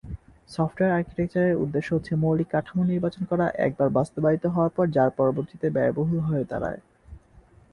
Software architecture এর উদ্দেশ্য হচ্ছে মৌলিক কাঠামো নির্বাচন করা, একবার বাস্তবায়িত হওয়ার পর যার পরবর্তিতে ব্যয়বহুল হয়ে দাঁড়ায়।